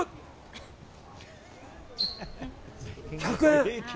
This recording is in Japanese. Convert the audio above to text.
１００円。